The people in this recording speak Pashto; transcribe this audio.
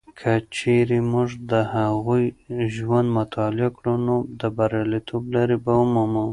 که چیرې موږ د هغوی ژوند مطالعه کړو، نو د بریالیتوب لارې به ومومو.